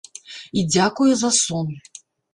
І дзякуе за сон.